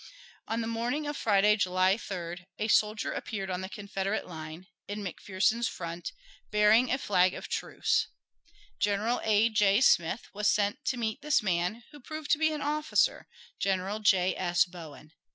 On the morning of Friday, July 3d, a soldier appeared on the Confederate line, in McPherson's front, bearing a flag of truce. General A. J. Smith was sent to meet this man, who proved to be an officer, General J. S. Bowen.